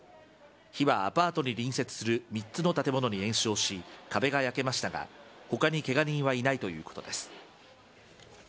火はアパートに隣接する３つの建物に延焼し、壁が焼けましたが、ほかにけが人はいないということです。